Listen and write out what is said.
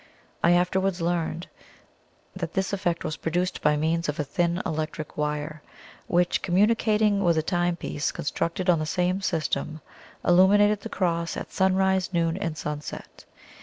I afterwards learned that this effect was produced by means of a thin, electric wire, which, communicating with a timepiece constructed on the same system, illuminated the cross at sunrise, noon, and sunset.